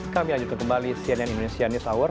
kami lanjutkan kembali cnn indonesia news hour